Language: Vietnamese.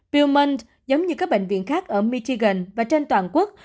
viewman giống như các bệnh viện khác ở michigan và trên toàn quốc